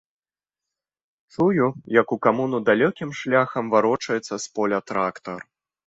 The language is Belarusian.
Чую, як у камуну далёкім шляхам варочаецца з поля трактар.